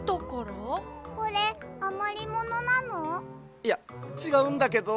いやちがうんだけど。